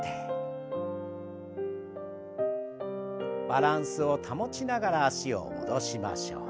バランスを保ちながら脚を戻しましょう。